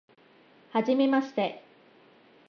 はじめまして